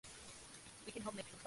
El padre de Kim Philby, St.